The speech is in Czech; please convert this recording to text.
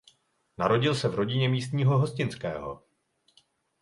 Narodil se v rodině místního hostinského.